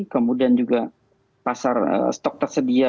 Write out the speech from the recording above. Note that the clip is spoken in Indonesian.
kemudian juga pasar stok tersedia